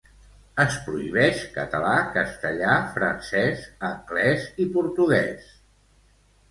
Es prohibeix català, castellà, francès, anglès i portuguès.